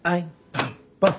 パンパン。